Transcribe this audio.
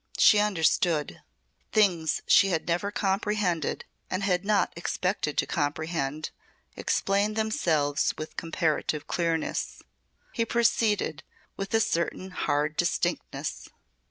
She understood. Things she had never comprehended and had not expected to comprehend explained themselves with comparative clearness. He proceeded with a certain hard distinctness.